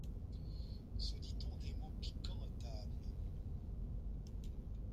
Se dit-on des mots piquants à table ?